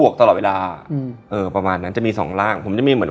กล้วยน่ากินมากเลย